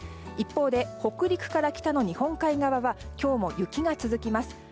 一方で、北陸から北の日本海側は今日も雪が続きます。